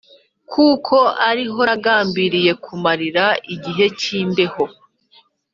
kuko ari ho nagambiriye kumarira igihe cy’imbeho.